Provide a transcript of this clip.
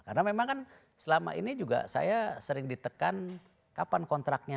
karena memang kan selama ini juga saya sering ditekan kapan kontraknya